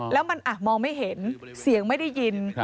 แล้วมันมองไม่เห็นเสียงไม่ได้ยิน